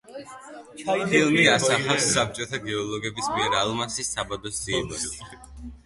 ფილმი ასახავს საბჭოთა გეოლოგების მიერ ალმასის საბადოს ძიებას.